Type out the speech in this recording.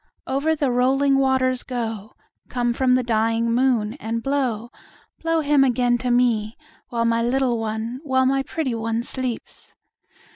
Over the rolling waters go, Come from the dying moon, and blow, Blow him again to me; While my little one, while my pretty one, sleeps.